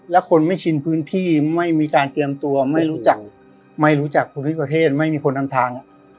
ถ้าคนไม่ชินพื้นที่ไม่มีการเกรียมตัวไม่รู้จักคุณภิกษ์ประเทศไม่มีคนทำทาง